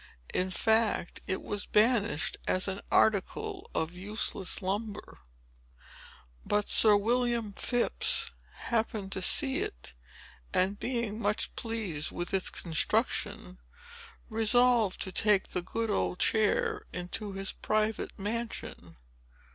In fact, it was banished as an article of useless lumber. But Sir William Phips happened to see it and being much pleased with its construction, resolved to take the good old chair into his private mansion.